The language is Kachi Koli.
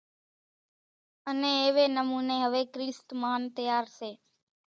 انين ايوي نموني ھوي ڪريست مانَ تيار سي۔